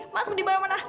masuk di mana mana